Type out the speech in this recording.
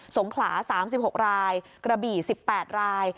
งขลา๓๖รายกระบี่๑๘ราย